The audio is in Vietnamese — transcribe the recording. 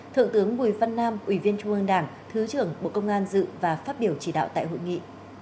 thượng tướng bùi văn nam ủy viên trung ương đảng thứ trưởng bộ công an dự và phát biểu chỉ đạo tại hội nghị